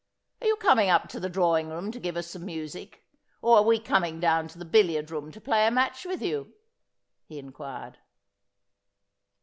' Are you com ing up to the drawing room to give us some music, or are we coming down to the billiard room to play a match with you ?' he inquired.